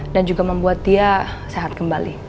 dan juga membuat dia sehat kembali